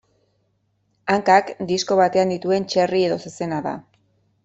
Hankak disko batean dituen txerri edo zezena da.